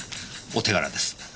お手柄です。